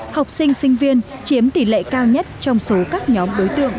học sinh sinh viên chiếm tỷ lệ cao nhất trong số các nhóm đối tượng